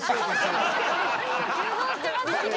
誘導してますよね？